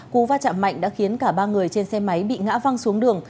cú va chạm mạnh đã khiến cả ba người trên xe máy bị ngã văng xuống đường